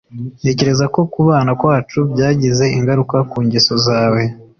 Ntekereza ko kubana kwacu byagize ingaruka ku ngeso zawe.